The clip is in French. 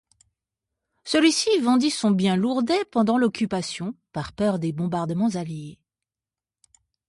Celui-ci vendit son bien lourdais pendant l’occupation, par peur des bombardements alliés.